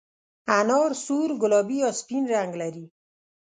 انار سور، ګلابي یا سپین رنګ لري.